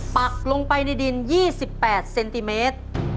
ปักลงไปในดิน๒๘เซนติเมตร